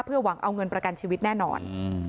หวังเอาเงินประกันชีวิตแน่นอน